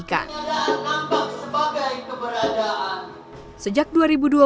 tidak ada tampak sebagai keberadaan